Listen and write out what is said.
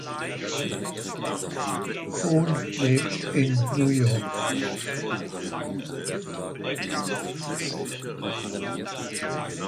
Kohn lebt in New York.